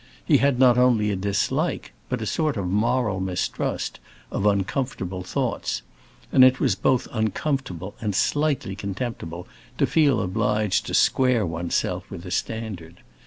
He had not only a dislike, but a sort of moral mistrust, of uncomfortable thoughts, and it was both uncomfortable and slightly contemptible to feel obliged to square one's self with a standard.